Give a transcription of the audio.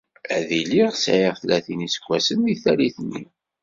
Ad iliɣ sεiɣ tlatin iseggasen deg tallit-nni.